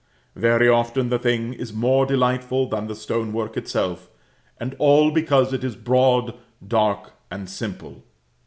Very often the thing is more delightful than the stone work itself, and all because it is broad, dark, and simple.